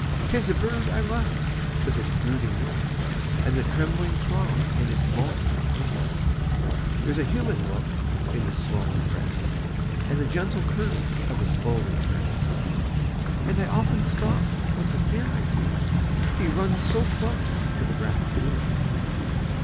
'Tis a bird I love, with its brooding note, And the trembling throb in its mottled throat ; There's a human look in its swellinor breast, And the gentle curve of its lowly crest ; And I often stop with the fear I feel — He runs so close to the rapid wheel.